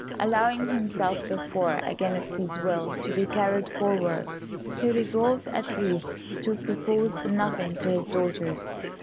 Allowing himself, therefore, against his will, to be carried forward, he resolved at least to propose nothing to his daughters.